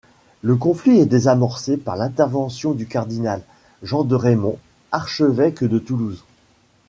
Le conflit est désamorcé par l'intervention du cardinal Jean de Raymond, archevêque de Toulouse.